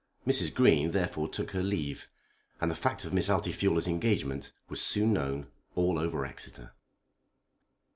Mrs. Green therefore took her leave, and the fact of Miss Altifiorla's engagement was soon known all over Exeter.